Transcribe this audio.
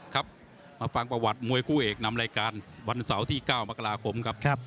ครับมาฟังประวัติมวยคู่เอกนำรายการวันเสาร์ที่๙มกราคมครับ